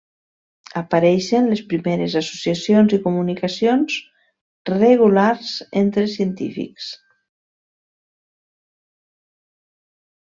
Apareixen les primeres associacions i comunicacions regulars entre científics.